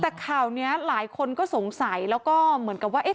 แต่ข่าวนี้หลายคนก็สงสัยแล้วก็เหมือนกับว่าเอ๊ะ